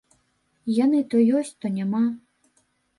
Яны то ёсць, то няма.